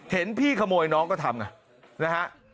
เห็นพี่ขโมยน้องก็ทำไงนะฮะ